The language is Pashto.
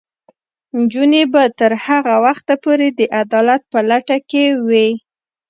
نجونې به تر هغه وخته پورې د عدالت په لټه کې وي.